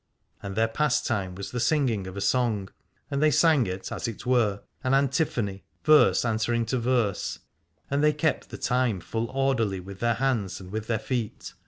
And their pastime was the sing ing of a song: and they sang it as it were 249 Aladore an antiphony, verse answering to verse, and they kept the time full orderly with their hands and with their feet.